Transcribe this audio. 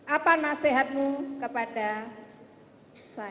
apa nasihatmu kepada saya